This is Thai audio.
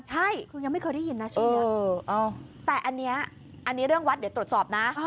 ใช่คือยังไม่เคยได้ยินนะเชื่อแต่อันนี้อันนี้เรื่องวัดเดี๋ยวตรวจสอบนะ